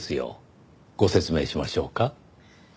ご説明しましょうか？